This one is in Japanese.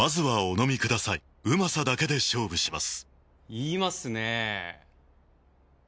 言いますねぇ。